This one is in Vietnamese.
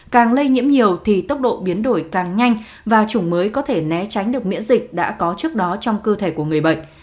càng lây nhiễm nhiều thì tốc độ biến đổi càng nhanh và chủng mới có thể né tránh được miễn dịch đã có trước đó trong cơ thể của người bệnh